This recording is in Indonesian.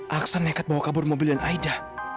aksan nekat bawa kabur mobil dan aida